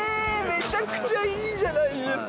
めちゃくちゃいいじゃないですか。